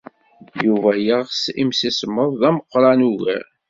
Yuba yeɣs imsismeḍ d ameqran ugar.